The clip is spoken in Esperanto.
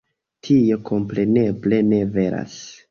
Tio kompreneble ne veras.